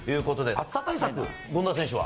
暑さ対策、権田選手は？